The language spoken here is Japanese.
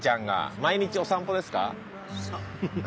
毎日お散歩ですか？